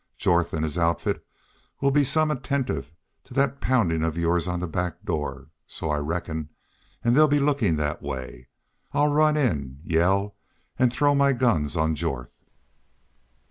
Jorth an' his outfit will be some attentive to thet poundin' of yours on the back door. So I reckon. An' they'll be lookin' thet way. I'll run in yell an' throw my guns on Jorth."